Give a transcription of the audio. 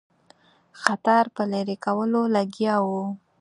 خطر په لیري کولو لګیا وو.